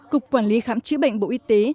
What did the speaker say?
cục quản lý khám chứa bệnh bộ y tế